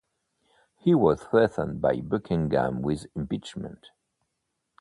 He was threatened by Buckingham with impeachment.